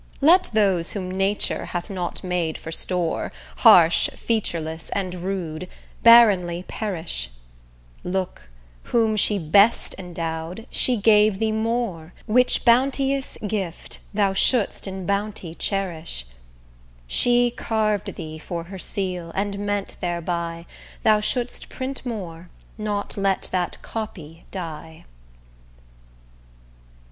Let those whom nature hath not made for store, Harsh, featureless, and rude, barrenly perish: Look, whom she best endow'd, she gave thee more; Which bounteous gift thou shouldst in bounty cherish: She carv'd thee for her seal, and meant thereby, Thou shouldst print more, not let that copy die.